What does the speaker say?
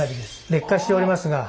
劣化しておりますが。